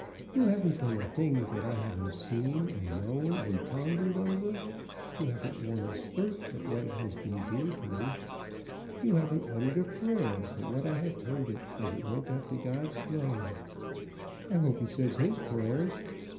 You haven't done a thing that I haven't seen and known and pondered over; you haven't worn a skirt but what it has been dear to me; you haven't uttered a prayer but what I have heard it as it went up to God's throne. I hope he says his prayers."